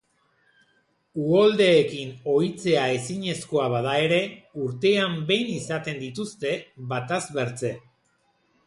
Uholdeekin ohitzea ezinezkoa bada ere, urtean behin izaten dituzte, bataz bertze.